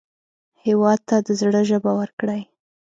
هېواد ته د زړه ژبه ورکړئ